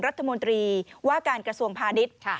รัฐมนตรีว่าการกระทรวงพาณิชย์